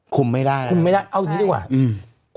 คุมไม่ได้ค่ะคุมไม่ได้เอาอยู่ดีกว่าใช่